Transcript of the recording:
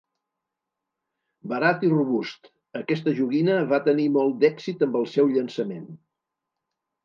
Barat i robust, aquesta joguina va tenir molt d'èxit amb el seu llançament.